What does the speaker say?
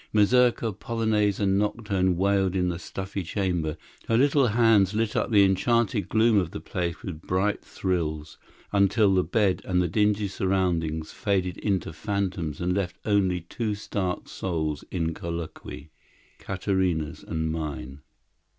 Mazurka, polonaise, and nocturne wailed in the stuffy chamber; her little hands lit up the enchanted gloom of the place with bright thrills, until the bed and the dingy surroundings faded into phantoms and left only two stark souls in colloquy: Katarina's and mine.